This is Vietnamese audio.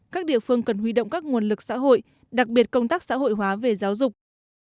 các địa phương cần huy động các nguồn lực xã hội đặc biệt công tác xã hội hóa về giáo dục